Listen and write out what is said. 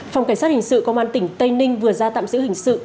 phòng cảnh sát hình sự công an tỉnh tây ninh vừa ra tạm giữ hình sự